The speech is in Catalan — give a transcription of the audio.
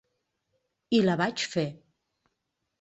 I la vaig fer.